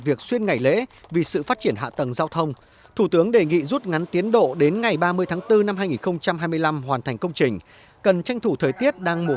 vượt sáu tháng so với kế hoạch ban đầu